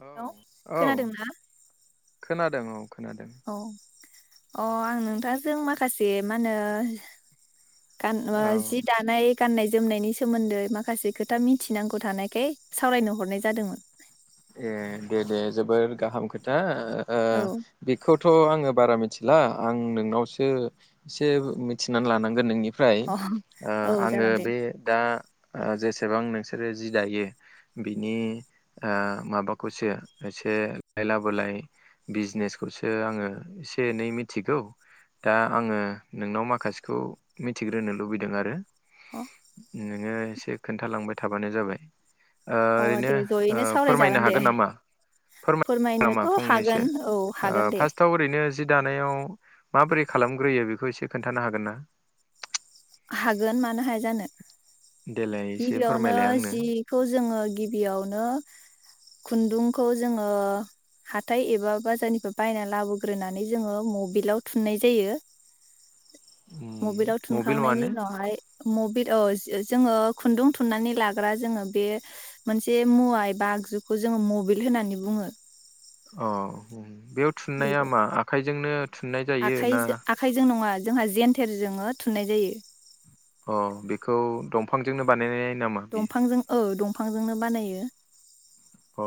औ हेलौ औ खोनादोंना? खोनादों औ। खोनादों। औ अ आं नोंथांजों माखासे मा होनो? गान जि औ दानाय। गाननाय जोमनायनि सोमोन्दै माखासे खोथा मिथिनांगौ थानायखाय सावरायनो हरनाय जादोंमोन। ए दे दे जोबोर गाहाम खोथा। ओ औ बेखौ। थ आङो बारा मिथिला आं नोंनावसो एसे मिथिनानै लानांगोन नोंनि फ्राय अ ओ औ आङो जागोन दे बे दा। ओ जेसेबां नोंसोरो जि दायो बिनि ओ माबाखौसो एसे लायलाबोलाय बिजिनेसखौसो आङो एसे एनै मिथिगौ दा आङो नोंनाव माखासेखौ मिथिग्रोनो लुबैदों आरो। अ [inaudible] नोङो एसे खोन्थालांबाय थाबानो जाबाय। ओ अ ओरैनो दे ओ जयैनो फोरमायनो सावरायजागोन दे हागोन नामा फोरमायनो नामा फोरमायनोथ' फंनैसो हागोन औ ओ हागोन दे फार्स्टआव ओरैनो जि दानायाव माबोरै खालामग्रोयो बेखौ एसे खोन्थानो हागोन ना? हागोन मानो हाया जानो। देलाय एसे गिबियावनो फोरमायलाय आंनो जिखौ जोङो बेयावनो खुन्दुंखौ जोङो हाथाय एबा बाजारनिफ्राय बायना लाबोग्रोनानै जोङो मबिलाव थुननाय जायो। उम मबिलाव मबिल थुनखांनायनि माने उनावहाय मबिल [unintelligible] जोङो। खुन्दुं थुननानै लाग्रा जोङो बे मोनसे मुवा एबा आगजुखौ जोङो मबिल होननानै बुङो अ उम बेयाव थुननाया बेखौ मा आखाइजोंनो थुननाय जायो ना आखाइजों आखाइजों नङा जोंहा जेेनथेर जोङो थुननाय जायो अ बेखौ दंफांजोंनो बानायनाय नामा बियो दंफांजों ओ दंफां फांजोंनो बानायो औ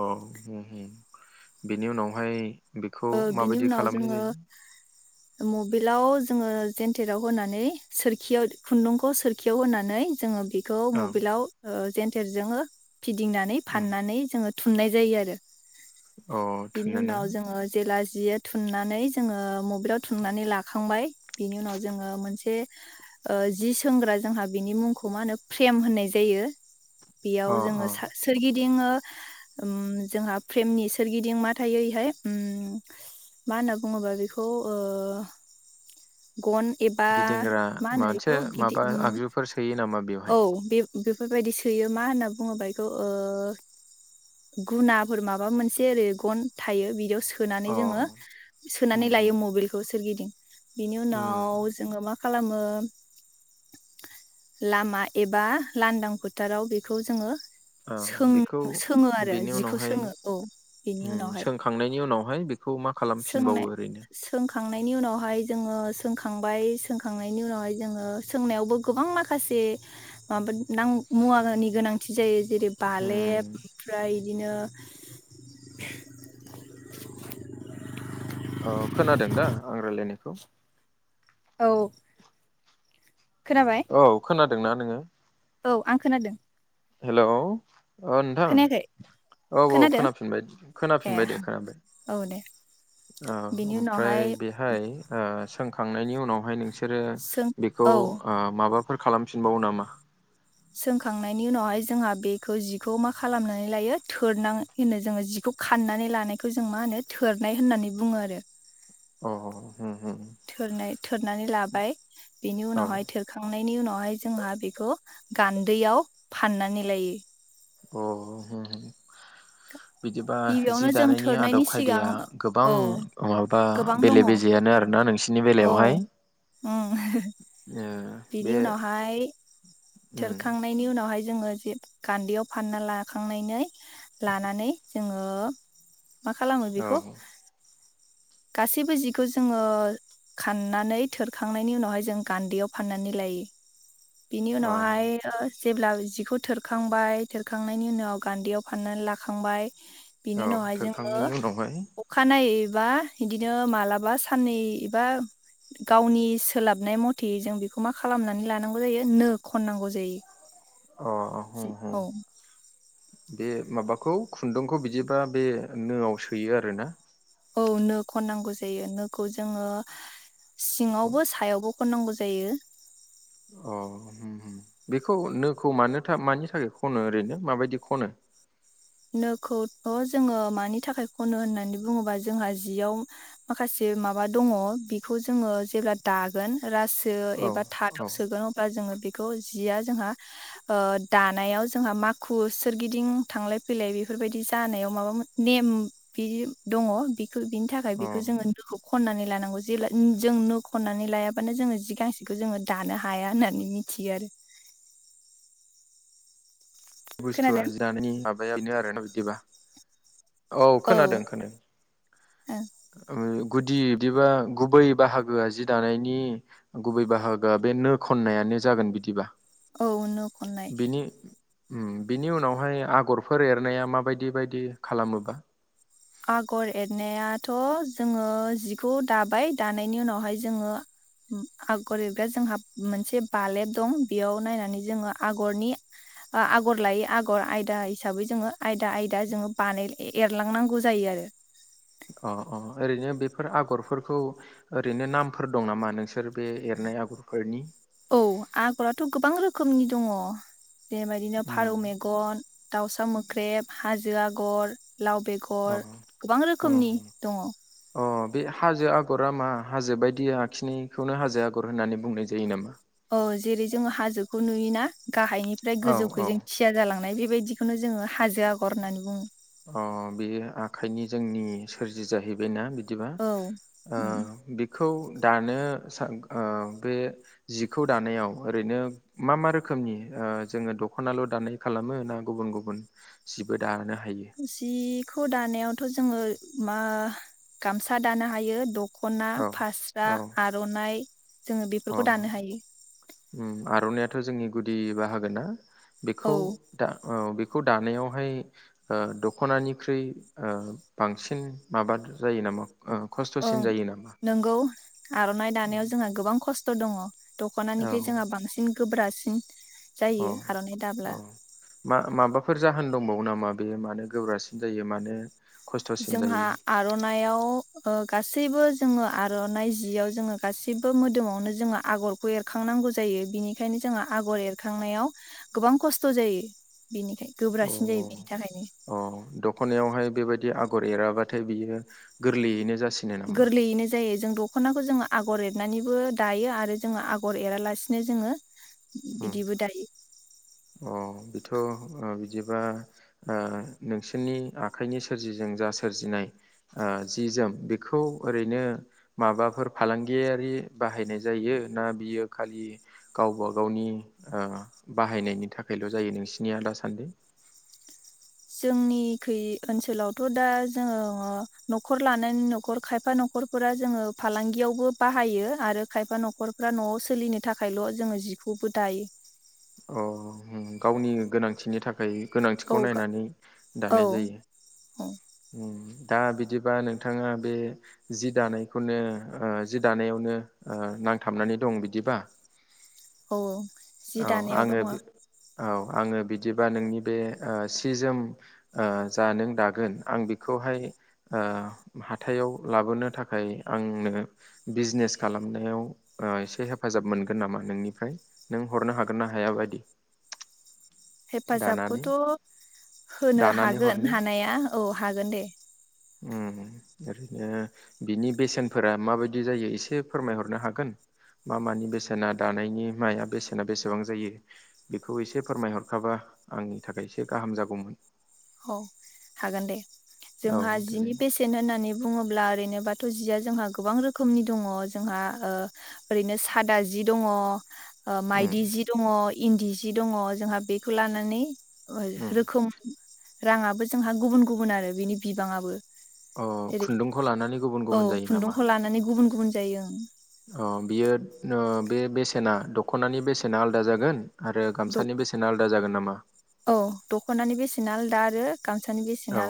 बेनि उनावहाय बेखौ बिनि माबायदि उनाव खालामनाय जोङो जायो मबिलाव जोङो जेेनथेराव होनानै सोरखियाव खुन्दुंखौ सोरखियाव होनानै जोङो खौ औ मबिलाव ओ जेनथेरजों फिदिंनानै उम फाननानै जोङो थुननाय जायो आरो अ बिनि थोनोना उनाव जोङो जेला जिआ थुननानै जोङो मबिलाव थुननानै लाखांबाय बिनि उनाव जोङो मोनसे जि सोंग्रा जोंहा बिनि मुंखौ मा होनो फ्रेम होननाय जायो। बेयाव अ जोङो अ सा सोरगि दिं ओ उम जोंहा फ्रेमनि सोरगिदिं मा थायो इहाय उम मा होनना बुङोबा बेखौ ओ गन एबा गिदिंग्रा मा होनो मोनसे बेखौ गिदि माबा उम आगजुफोर सोयो नामा बेवहाय? औ बे बेफोरबायदि सोयो मा होनना बुङोबा एखौ ओ गुनाफोर माबा मोनसे ओरै गन थायो बिदियाव सोनानै अ जोङो सोनानै उम लायो उम मबिलखौ सोरगिदिं। बिनि उनाव उम जोङो मा खालामो लामा एबा लांदां फोथाराव बेखौ जोङो ओ सों बेखौ सोङो आरो बेनि जिखौ उनावहाय सोङो औ बेनि उनावहाय। हाय बे खौ मा खालामफिनबावो ओरैनो। खांनायनि उनावहाय जोङो सोंखांबाय सोंखांनायनि उनावहाय जोङो सोंनायावबो गोबां माखासे माबा मुवानि गोनांथि जायो। जेरै बालेब उम ओमफ्राय बिदिनो अ खोनादों दा आं रायलायनायखौ। औ खोनाबाय औ खोना दोंना नोङो। औ आं खोनादों। हेलौ। अ नोंथां खोनायाखै औ- औ खोनादों खोनाफिनबाय ए खोनाफिनबाय दे खोनाबाय औ दे ओ बिनि ओमफ्राय उनावहाय बेहाय ओ सोंखांनायनि उनावहाय नों सोरो सों बेखौ औ माबा फोर खालामफिनबावो नामा। सोंखांनायनि उनावहाय जोंहा बेखौ जिखौ मा खालामनानै लायो थोरनां होनो जोङो जिखौ खाननानै लानायखौ जों मा होनो थोरनाय होननानै बुङो आरो। अ। उम उम थोरनाय थोरनानै लाबाय बिनि औ उनावहाय थोरखांनाय नि उनावहाय जोंहा बेखौ गान्दैयाव फाननानै लायो। अ [unintelligible] बिदिबा जि गिबियावनो जों दानायनि थोरनायनि आदब सिगां खायदाया गोबां औ माबा गोबां दङ बेले औ बेजेयानो आरोना नोंसि बिनि बेलायावहाय उम ओ बिनि बे उनावहाय उम थोरखांनायनि उनाव यावहाय जोङो गान्दैयाव फानना लाखांनानै लानानै जोङो मा खालामो औ बेखौ गासैबो जिखौ जोङो खाननानै थोरखांनायनि उनावहाय जों गान्दैयाव फाननानै लायो। बिनि औ उनावहाय ओ जेब्ला जिखौ थोरखांबाय थोरखांनायनि उनाव गान्दैयाव फाननानै लाखांबाय बिनि औ उनावहाय जोङो थोरखांनायनि उनावहाय अखानायै बा। बिदिनो मालाबा साननै एबा गावनि सोलाबनाय मथे जों बेखौ मा खालामनानै लानांगौ जायो नो खननांगौ जायो। अ अ होम होम। औ बे माबाखौ खुन्दुंखौ बिदिबा बे नोआव सोयो आरोना? औ नो खननांगौ जायो नोखौ जोङो सिङावबो सायावबो खननांगौ जायो। अ होम होम बेखौ नोखौ मानो थां मानि थाखाय खनो ओरैनो माबायदि खनो? नोखौथ' जोङो मानि थाखाय खनो होननानै बुङोबा जोंहा जियाव माखासे माबा दङ बेखौ जोङो जेब्ला दागोन राज जो औ एबा थादाव औ सोगोन अब्ला जोङो बेखौ जिया जोंहा ओ दानायाव जोंहा माखु सोरगिदिं थांलाय फैलाय बेफोरबायदि जानायाव माबा नेम बिदि दङ। बेखौ बिनि थाखाय औ बेखौ जोङो नोखौ खननानै लानांगौ जे जों नो खननानै लायाबानो जोङो जि गांसेखौ जोङो दानो हाया होननानै मिथियो आरो। बुस्थुआ खोनादों जि दानायनि माबाया बिनो आरोना बिदिबा। औ खोनादों खोनादों। ओ आ। गुदि बिदिबा गुबै बाहागोआ जि दानायनि गुबै बाहागोआ बे नो खन्नायानो जागोन बिदिबा। औ नो खननाय। ओम बिनि उनावहाय आगरफोर एरनाया माबायदि बायदि खालामोबा? आगर एरनायाथ' जोङो जिखौ दाबाय दानायनि उनावहाय जोङो ओम आगर एरगाया जोंहा मोनसे बालेब दं। बेयाव नायनानै जोङो आगरनि ओ आगर लायै आगर आयदा हिसाबै जोङो आयदा आयदा जोङो बानाय एरलांनांगौ। जायो आरो। अ अ ओरैनो बेफोर आगरफोरखौ ओरैनो नामफोर दं नामा नोंसोर बे एरनाय आगरफोरनि? औ आगराथ' गोबां रोखोमनि दङ। बेबायदिनो फारौ उम मेगन दाउसा मोख्रेब, हाजो आगर लाव अ बेगर गोबां उम रोखोमनि दङ। अ बे हाजो आगरा मा हाजो बायदि आखिनायखौनो हाजो आगर होननानै बुंनाय जायो नामा? औ जेरै जोङो हाजोखौ नुयोना गाहायनिफ्राय औ औ गोजौखैजों थिया जालांनाय बे बेबायदिखौनो जोङो हाजो आगर होननानै बुङो। अ बे आखाइनि जोंनि सोरजि जाहैबायना बि बिदिबा औ ओ उम बेखौ दानो सा ओ बे जिखौ दानायाव ओरैनो मा मा रोखोमनि ओ जोङो दख'नाल' दानाय खालामो ना गुबुन गुबुन जिबो दानो हायो? जिखौ दानायावथ' जोङो मा गामसा दानो हायो द ख'ना औ फास्रा औ आर'नाइ जोङो बेफोरखौ दानो हायो रनायाथ' जोंनि गुदि बाहागोना ना औ बेखौ दा औ बे खौ दानायावहाय ओ दख'नानिख्रुइ ओ बांसिन माबा जायो नामा? ओ ओं खस्थ'सिन जायो नामा? नोंगौ आर'नाइ दानायाव जोंहा गोबां खस थ' दङ दख'नानिखै औ जोंहा बांसिन गोब्रासिन औ जायो आर'नाइ औ दाब्ला मा माबाफोर जाहोन दंबावो नामा बेयो मानो गोब्रासिन जायो मानो? खस्थ'सिन जोंहा जायो आर'नाइआव ओ गासैबो जोङो आर'नाइ जियाव जोङो गासिबो मोदोमावनो जोङो आगरखौ एरखांनांगौ जायो बिनिखायनो जोङो आगर एरखांनायाव गोबां खस्थ' जायो। बेनिखाय अ गोब्रासिन जायो बेनि थाखायनो अ औ दख'नायावहाय बेबायदि आ गर एराबाथाय बियो गोरलैयैनो जाथ गोरलैयैनो जायो जों द खनाखौ जोङो आगर एरनानैबो दायो आरो जोङो आगर एरालासिनो जोङो उम बिदिबो दायो। अ बेथ'ओ बिदिबा ओ नोंसोरनि आखाइनि सोरजिजों जा सोरजिनाय ओ जि जोम बेखौ ओरैनो माबाफोर फालांगियारि बाहायनाय जायो ना बियो खालि गावबा गावनि ओ बाहायनायनि नि थाखायल' जायो नोंसिनिया दासान्दि जोंनि खै ओनसोलावथ' दा जोङो न'खर लानायनि न'खर खायफा न'खरफोरा जोङो फालांगियावबो बाहायो आरो खायफा न'खरफ्रा न'आव सोलिनो थाखायल' जोङो जिखौबो दायो। अ उम गावनि गोनांथिनि था थाखाय औ गोनांथिखौ नायनानै औ दानाय औ जायो। दा बिदिबा नोंथाङा बे जि दानायखौनो ओ जि दानायावनो ओ नांथाबनानै दं बिदिबा? औ औ औ आङो औ आङो बिदिबा नोंनि बे ओ सि जोम ओ जा नों दागोन आं बेखौहाय ओ हाथायाव लाबोनो थाखाय आंनो बिजनेस खालामनायाव ओ एसे हेफाजाब मोनगोन नामा नोंनिफ्राय? नों हरनो हागोन ना हाया बायदि? दानानै हेफाजाबखौथ' होनो दानानै हागोन हरनो हानाया। औ हागोन दे। उम ओरैनो बिनि बेसेनफोरा माबायदि जायो एसे फोरमायहरनो हागोन मा मानि बेसेना दानायनि माया बेसेना बेसेबां जायो बेखौ एसे फोरमायहरखाबा आंनि थाखाय एसे गाहाम जागौमोन। औ हागोनदे। औ जोंहा जिनि देलाय बेसेन होननानै बुङोब्ला ओरैनो बाथो जिया जोंहा गोबां रोखोमनि दङ जोंहा ओ ओरैनो सादा जि दङ। ओ उम माइदि जि दङ। इन्दि सि दङ जोंहा बेखौ लानानै ओइ उम रोखोम राङाबो जोंहा गुबुन गुबुन आरो बेनि बिबांआबो अ खुन्दुंखौ लानानै गुबुन औ गुबुन जायो नामा? खुन्दुंखौ लानानै गुबुन गुबुन जायो ओ। अ बियो ओ बे बेसेना दख'नानि बेसेना आलादा जागोन। आरो द गामसानि बेसेना आलादा जागोन नामा? औ दख'नानि बेसेना आलदा रो औ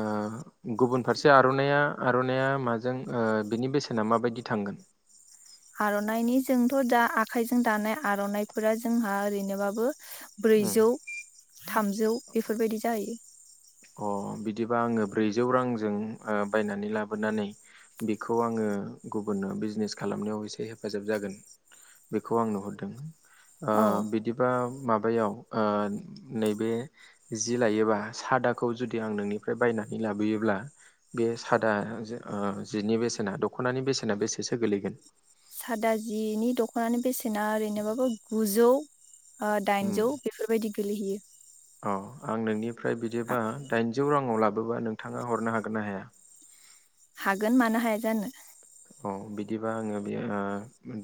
ओ गुबुन फारसे आर'नाइया आर'नाइया माजों ओ बिनि बेसेना माबायदि थांगोन? आर'नाइनि जोंथ' दा आखाइजों दानाय आर'नाइफोरा जोंहा ओरैनोबाबो उम ब्रैजौ थामजौ बेफोरबायदि जायो। अ बिदिबा आङो ब्रैजौ रांजों बायनानै लाबोनानै बेखौ आङो गुबुननो बिजनेस खालामनायाव एसे हेफाजाब जागोन बेखौ आं नुहरदों। ओ औ बिदिबा माबा बैयाव ओ नैबे जि लायोला सादा खौ जुदि आं नोंनिफ्राय बायनानै लाबोयोब्ला बे सादा जिनि बेसेना दख'नानि बेसेना बेसेसो गोलैगोन सादा जिनि दख'नानि बेसेना ओरैनोबाबो गुजौ ओ उम दाइनजौ बेफोरबायदि गोलैहोयो अ आं नोंनि फ्राय बिदिबा दाइनजौ राङआव लाब बोबा नोंथाङा हरनो हागोन ना हाया हागोन मानो हाया जानो अ बिदिबा आङो बे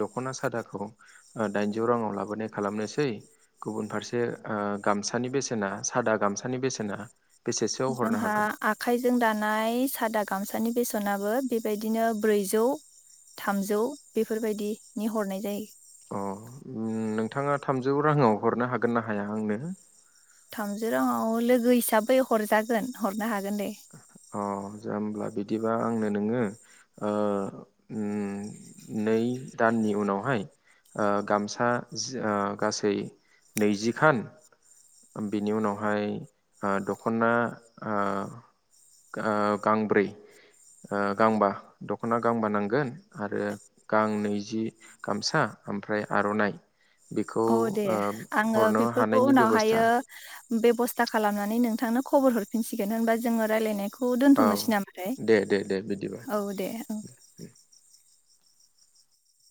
दख'ना सादाखौ दाइनजौ राङाव लाबोनाय खालामनोसै गुबुन फारसे ओ गामसानि बेसेना सादा गामसानि बेसेना बेसेसोआव हरनो जोंहा हागोन आखाइजों दानाय सादा गामसा नि बेसनाबो बेबायदिनो ब्रैजौ थामजौ बेफोरबायदिनि हरनाय जायो अ उ नोंथाङा थामजौ राङाव हरनो हागोन ना हाया आंनो थामजौ रांआव लोगो हिसाबै हरजागोन हरनो हागोन दे अ होमब्ला बिदिबा आंनो नोङो ओ उ नै दाननि उनावहाय ओ गामसा ओ गासै नैजिखान बिनि उनावहाय आ दख'ना आ गांब्रै ओ गांबा दख'ना गांबा नांगोन आरो गां नैजि गामसा ओमफ्राय आर'नाइ। बेखौ औ दे ओ आङो हरनो बेफोरखौ हानायनि उनावहाय। बेब'स्था एयो। बेब'स्था खालामनानै नोंथांनो खबर हरफिनसिगोन होनबा जोङो रायलायनायखौ। औ दोन्थ'नोसै नामाथाय दे दे दे बिदिबा औ दे औ।